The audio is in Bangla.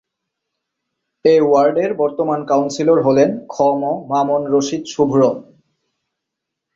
এ ওয়ার্ডের বর্তমান কাউন্সিলর হলেন খ ম মামুন রশিদ শুভ্র।